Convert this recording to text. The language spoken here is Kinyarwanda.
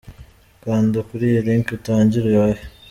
Kanda kuri iyi link utangire uhahe .